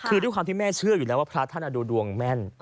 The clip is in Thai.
คือทุกคำที่แม่เชื่ออยู่แล้วว่าพระธุรกิจดูดวงแม่น